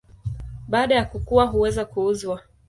Baada ya kukua huweza kuuzwa.